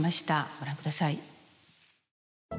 ご覧ください。